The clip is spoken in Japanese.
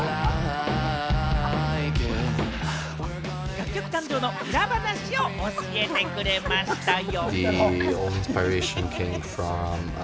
楽曲誕生の裏話を教えてくれましたよ。